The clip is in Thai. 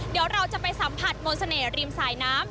เดี๋ยวเราจะไปสัมผัสมนต์เสน่ห์ริมสายน้ำ